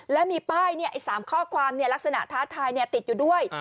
และมีป้าย๓ข้อความลักษณะท้าทายติดอยู่ด้วย